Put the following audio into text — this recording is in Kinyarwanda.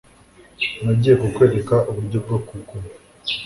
Nagiye kukwereka uburyo bwo kuguma